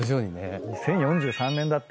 ２０４３年だって。